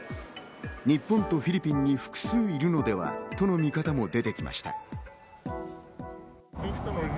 日本とフィリピンに複数いるのではとの見方も出てきました。